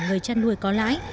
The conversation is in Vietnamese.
người trăn nuôi có lãi